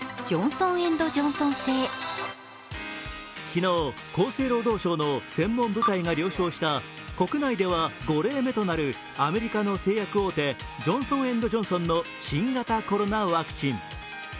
昨日、厚生労働省の専門部会が了承した国内では５例目となるアメリカの製薬大手ジョンソン・エンド・ジョンソンの新型コロナワクチン。